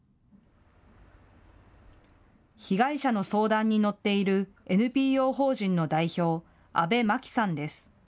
被害者の相談に乗っているＮＰＯ法人の代表、阿部真紀さんです。